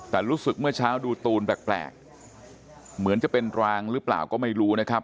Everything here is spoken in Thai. แต่รู้สึกเมื่อเช้าดูตูนแปลกเหมือนจะเป็นรางหรือเปล่าก็ไม่รู้นะครับ